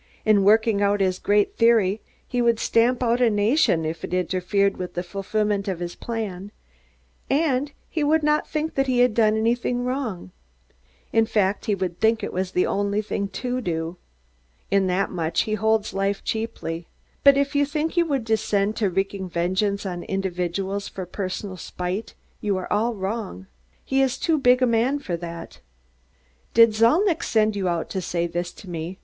In working out his great theory, he would stamp out a nation if it interfered with the fulfillment of his plan, and he would not think that he had done anything wrong. In fact, he would think it the only thing to do. In that much, he holds life cheaply. But if you think he would descend to wreaking vengeance on individuals for personal spite, you are all wrong. He is too big a man for that." "Did Zalnitch send you out to say this to me?"